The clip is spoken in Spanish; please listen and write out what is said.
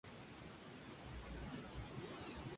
Pero los planes de la joven van agua abajo.